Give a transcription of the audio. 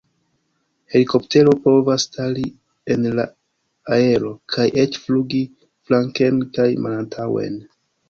Helikoptero povas stari en la aero kaj eĉ flugi flanken kaj malantaŭen.